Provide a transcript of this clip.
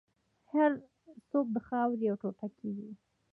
هر څوک د خاورې یو ټوټه کېږي.